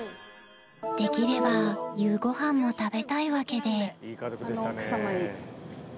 できれば夕ご飯も食べたいわけであの奥様に。